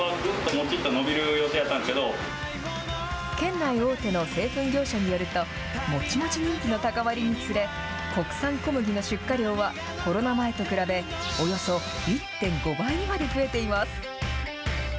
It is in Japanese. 県内大手の製粉業者によるともちもち人気の高まりにつれ国産小麦の出荷量はコロナ前と比べおよそ１．５倍にまで増えています。